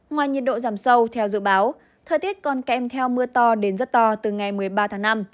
ngoài nhiệt độ giảm sâu theo dự báo thời tiết còn kèm theo mưa to đến rất to từ ngày một mươi ba tháng năm